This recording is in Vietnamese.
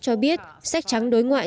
cho biết sách trắng đối ngoại